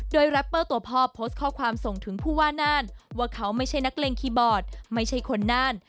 โดยแรปเปอร์ตัวพ่อโพสต์ข้อความส่งถึงผู้ว่าน่านว่าเขาไม่ใช่นักเลงคีย์บอร์ดไม่ใช่คนน่าน